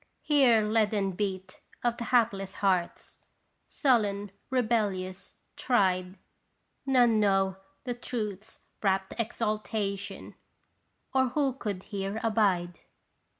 Hear leaden beat of the hapless hearts, sullen, rebellious, tried. None know the Truth's rapt exaltation, or who could here abide?